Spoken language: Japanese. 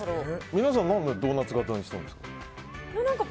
皆さん、何でドーナツ形にしたんですか？